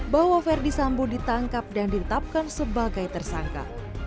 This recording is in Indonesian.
bahwa ferdi sambu ditangkap dan ditetapkan sebagai tersangka